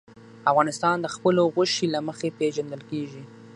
افغانستان د خپلو غوښې له مخې پېژندل کېږي.